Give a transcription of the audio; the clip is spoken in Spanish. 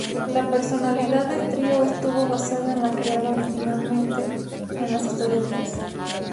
La personalidad del trío estuvo basada en la creada originalmente en las historietas.